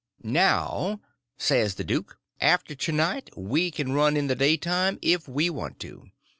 "Now," says the duke, "after to night we can run in the daytime if we want to.